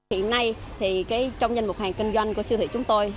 hiện nay thì trong danh mục hàng kinh doanh của siêu thị chúng tôi